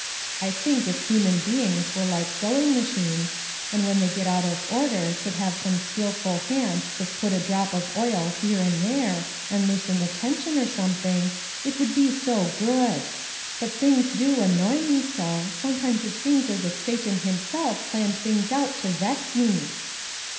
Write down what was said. I think if human beings were like sewing machines, and when they get out of order, could have some skilful hand just put a drop of oil here and there, and loosen the tension or something, it would be so good. But things do annoy me so, sometimes it seems as if Satan himself planned things out to vex me.